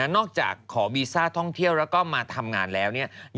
จากขอวีซ่าท่องเที่ยวแล้วก็มาทำงานแล้วเนี่ย